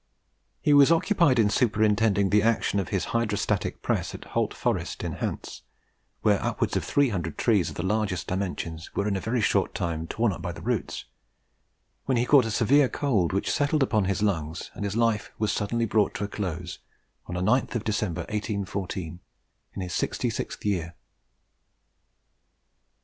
He was occupied in superintending the action of his hydrostatic press at Holt Forest, in Hants where upwards of 300 trees of the largest dimensions were in a very short time torn up by the roots, when he caught a severe cold, which settled upon his lungs, and his life was suddenly brought to a close on the 9th of December, 1814, in his 66th year.